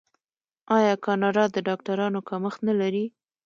آیا کاناډا د ډاکټرانو کمښت نلري؟